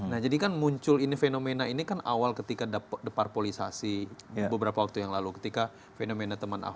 nah jadikan muncul ini fenomena ini kan awal ketika deparpolisasi beberapa waktu yang lalu ketika fenomena teman aho muncul